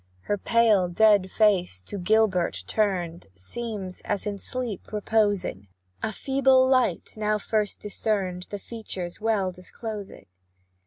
Her pale dead face, to Gilbert turned, Seems as in sleep reposing; A feeble light, now first discerned, The features well disclosing.